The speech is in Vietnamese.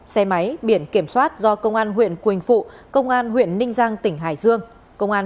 xe máy biển kiểm soát do công an huyện quỳnh phụ công an huyện ninh giang tỉnh hải dương công an